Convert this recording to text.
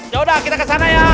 ya udah kita ke sana ya